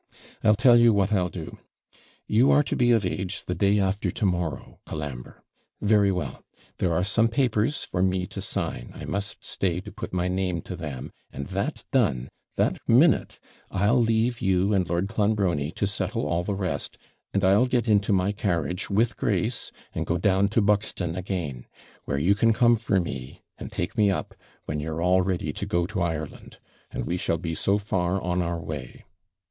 I'll tell you what I'll do you are to be of age the day after to morrow, Colambre very well, there are some papers for me to sign I must stay to put my name to them, and that done, that minute I'll leave you and Lord Clonbrony to settle all the rest; and I'll get into my carriage with Grace, and go down to Buxton again; where you can come for me, and take me up, when you're all ready to go to Ireland and we shall be so far on our way.